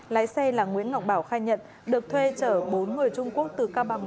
lái xe là nguyễn ngọc bảo khai nhận được thuê trở bốn người trung quốc từ cao bằng